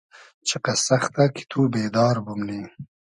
چیقئس سئختۂ کی تو بېدار بومنی